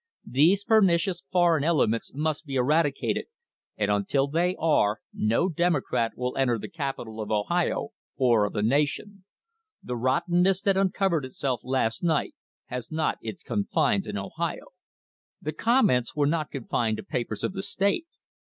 These pernicious foreign elements must be eradicated, and until they are no Democrat will enter the capitol of Ohio or of the nation. The rottenness that uncovered itself last night has not its confines in Ohio." The comments were not confined to papers of the state.